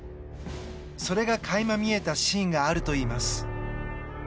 それが垣間見えたシーンがあるといいます。